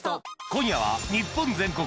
今夜は日本全国